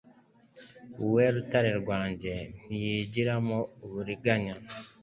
we Rutare rwanjye ntiyigiramo uburiganya